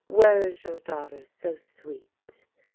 Where is your daughter so sweet